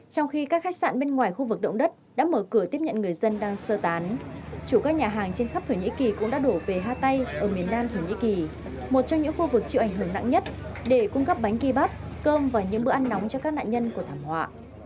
trong khi các khách sạn bên ngoài khu vực động đất đã mở cửa tiếp nhận người dân đang sơ tán chủ các nhà hàng trên khắp thổ nhĩ kỳ cũng đã đổ về hai tay ở miền nam thổ nhĩ kỳ một trong những khu vực chịu ảnh hưởng nặng nhất để cung cấp bánh kebat cơm và những bữa ăn nóng cho các nạn nhân của thảm họa